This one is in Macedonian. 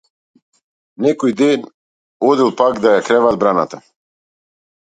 Некој ден одел пак да ја креват брана.